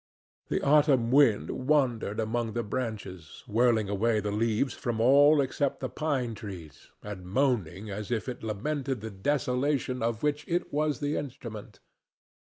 The autumn wind wandered among the branches, whirling away the leaves from all except the pine trees and moaning as if it lamented the desolation of which it was the instrument.